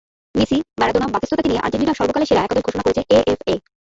Messi, Maradona, বাতিস্তুতাকে নিয়ে আর্জেন্টিনার সর্বকালের সেরা একাদশ ঘোষণা করেছে এএফএ।